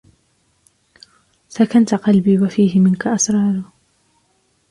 سكنت قلبي وفيه منك أسرار